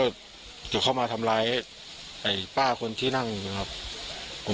แล้วเขามาทำลายป้าคนที่ในการนั่ง